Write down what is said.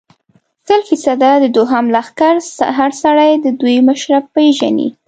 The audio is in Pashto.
سل فیصده، د دوهم لښکر هر سړی د دوی مشره پېژني.